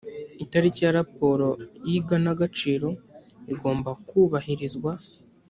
itariki ya raporo y’iganagaciro igomba kubahirizwa